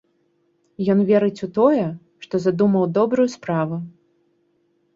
Ён верыць у тое, што задумаў добрую справу.